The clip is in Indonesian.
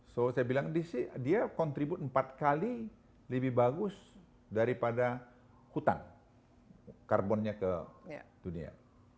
so saya bilang dia kontribut empat kali lebih bagus daripada hutang karbonnya ke dunia